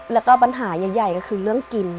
แล้วก็ปัญหาใหญ่ก็คือเรื่องกิน